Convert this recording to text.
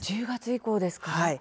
１０月以降ですか。